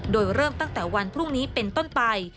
โดยเริ่มตั้งแต่วันพรุ่งนี้เป็นต้นไป